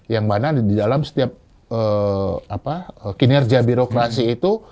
yang mana di dalam setiap kinerja birokrasi itu